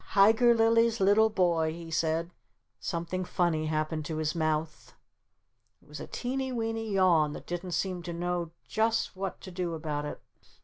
"T Tiger Lily's little boy!" he said. "T T " Something funny happened to his mouth. It was a teeny weeny yawn that didn't seem to know just what to do about it.